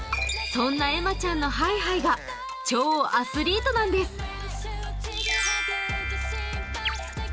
そんなえまちゃんのはいはいが超アスリートなんです。